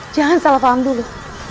jangan salah paham dulu